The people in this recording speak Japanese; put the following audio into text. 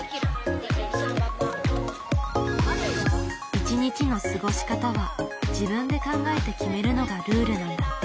一日の過ごし方は自分で考えて決めるのがルールなんだって。